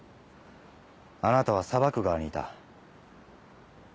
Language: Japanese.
あなたは裁く側にいた。